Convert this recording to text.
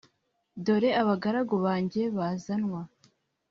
dore abagaragu banjye bazanywa